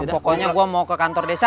pokoknya gue mau ke kantor desa